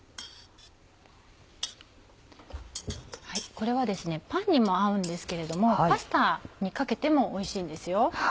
これはパンにも合うんですけれどもパスタにかけてもおいしいんですよ。